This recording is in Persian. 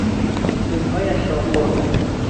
پولهایش را خوردند.